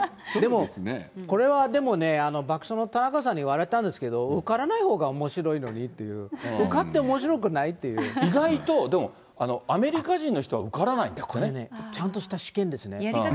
でも、これはでもね、爆笑の田中さんに言われたんですけど、受からないほうがおもしろいのにっていう、受かっておもしろくな意外とでも、アメリカ人の人ちゃんとした試験でしたね。